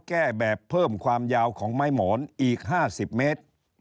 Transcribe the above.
แก้แบบเพิ่มความยาวของไม้หมอนอีก๕๐เมตร